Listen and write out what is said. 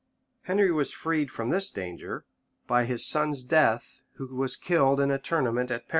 [] {1185.} Henry was freed from this danger by his son's death who was killed in a tournament at Paris.